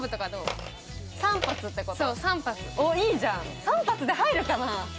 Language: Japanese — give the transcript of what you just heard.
３発で入るかな。